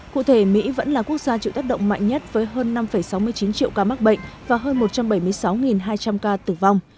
cụ thể mỹ vẫn là quốc gia chịu tác động mạnh nhất với hơn năm sáu mươi chín triệu ca mắc bệnh và hơn một trăm bảy mươi sáu hai trăm linh ca tử vong